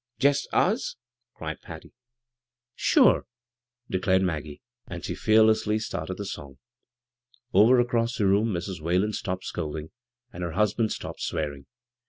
— jest us ?" cried Patty. " Sure !" declared Maggie. And she fearlessly started the song. Over across the room Mrs. Whalen stopped scolding, and her husband stopped swearing.